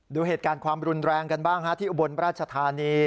ดูเหตุการณ์ความรุนแรงกันบ้างที่อุบลราชธานี